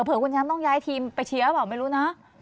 คุณแชมป์ต้องย้ายทีมไปเชียร์หรือเปล่าไม่รู้นะ